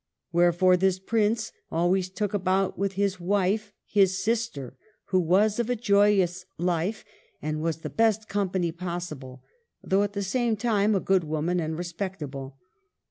Wherefore this Prince always took about with his wife his sister, who was of a joyous life, and was the best company possible, though at the same time a good woman and respectable